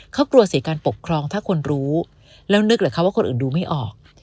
เขากลัวเสียการปกครองถ้าคนรู้แล้วนึกหรือคะว่าคนอื่นดูไม่ออก